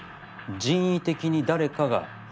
人為的に誰かが。